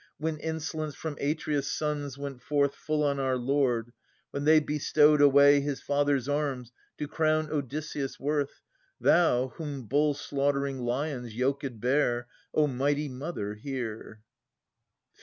When insolence from Atreus' sons went forth Full on our lord: when they bestowed away His father's arms to crown Odysseus' worth; Thou, whom bull slaughtering lions yoked bear, O mighty mother, hear! Phi.